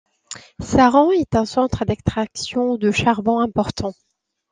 Saran est un centre d'extraction de charbon important.